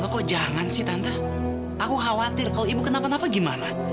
kok jangan sih tante aku khawatir kalau ibu kenapa napa gimana